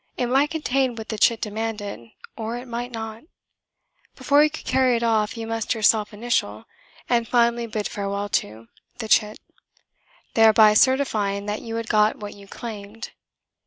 It might contain what the chit demanded; or it might not. Before you could carry it off you must yourself initial, and finally bid farewell to, the chit: thereby certifying that you had got what you claimed.